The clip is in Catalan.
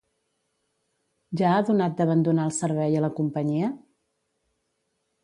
Ja ha donat d'abandonar el servei a la companyia?